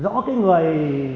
rõ cái người